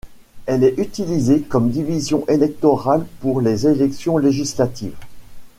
Elle est utilisée comme division électorale pour les élections législatives.